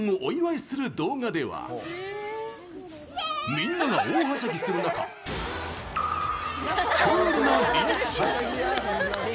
みんなが大はしゃぎする中クールなリアクション。